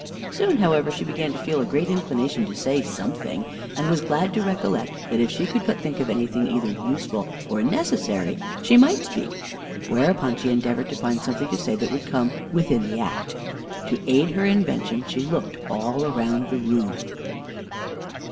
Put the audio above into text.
Soon, however, she began to feel a great inclination to say something; and was glad to recollect that if she could but think of anything either useful or necessary, she might speak. Whereupon she endeavored to find something to say that would come "within the act." To aid her invention, she looked all round the room.